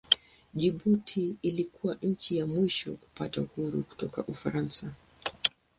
Jibuti ilikuwa nchi ya mwisho kupata uhuru kutoka Ufaransa.